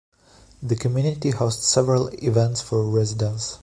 The community hosts several events for residence.